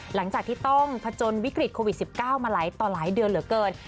หลังจากที่ต้องผจญวิกฤตโควิด๑๙มาหลายต่อหลายเดือนเหลือเกิน